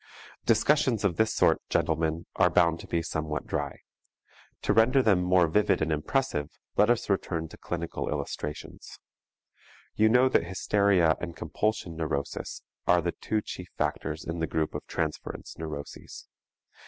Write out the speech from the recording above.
Discussions of this sort, gentlemen, are bound to be somewhat dry. To render them more vivid and impressive, let us return to clinical illustrations. You know that hysteria and compulsion neurosis are the two chief factors in the group of transference neuroses.